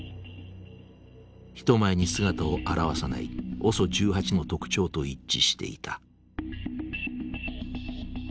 人前に姿を現さないＯＳＯ１８の特徴と一致していた。